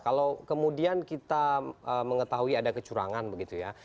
kalau kemudian kita mengetahui ada kecurangan begitu ya